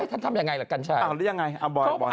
ให้ท่านทำอย่างไรละกันชายอ๋อหรือยังไงผมบอกเลยบ่อย